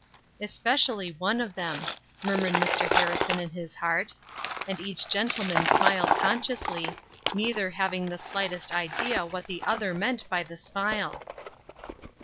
"Especially one of them," murmured Mr. Harrison in his heart; and each gentleman smiled consciously, neither having the slightest idea what the other meant by the smile.